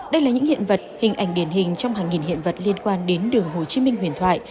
đây là những hiện vật hình ảnh điển hình trong hàng nghìn hiện vật liên quan đến đường hồ chí minh huyền thoại